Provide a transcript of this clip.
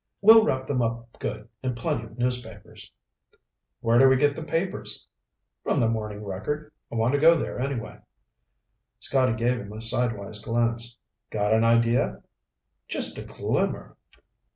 "We'll wrap them up good in plenty of newspapers." "Where do we get the papers?" "From the Morning Record. I want to go there, anyway." Scotty gave him a sideways glance. "Got an idea?" "Just a glimmer."